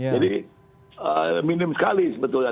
jadi minim sekali sebetulnya